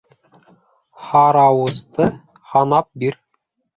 Һарауысты һанап бир